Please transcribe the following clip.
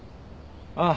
ああ。